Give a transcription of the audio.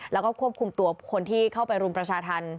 แล้วก็ควบคุมตัวคนที่เข้าไปรุมประชาธรรม